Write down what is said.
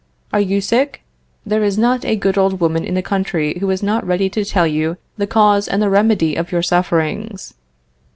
Are you sick? There is not a good old woman in the country who is not ready to tell you the cause and the remedy of your sufferings.